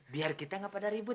biar kita gak pada ribut